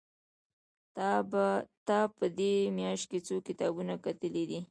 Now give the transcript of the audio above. تا په دې مياشت کې څو کتابونه کتلي دي؟